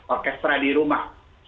orkestra di rumah